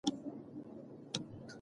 کور په ګډه چلیږي.